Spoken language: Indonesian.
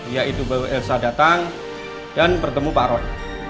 yaitu bawa elsa datang dan pertemu pak ron